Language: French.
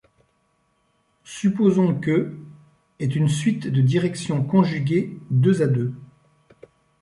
Supposons que } est une suite de directions conjuguées deux à deux.